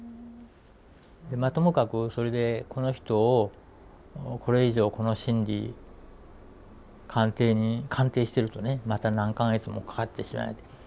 ともかくそれでこの人をこれ以上この審理鑑定してるとねまた何か月もかかってしまう。